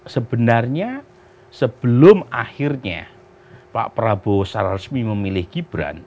sebenarnya sebelum akhirnya pak prabowo secara resmi memilih gibran